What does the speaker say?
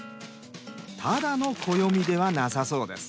ただの暦ではなさそうです。